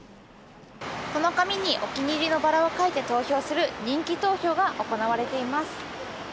この紙にお気に入りのバラを書いて投票する人気投票が行われています。